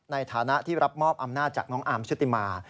ในฐานะที่รับมอบอำนาจจากน้องอาร์มชุติมา